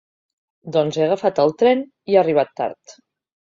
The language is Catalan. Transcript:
Doncs he agafat el tren i ha arribat tard.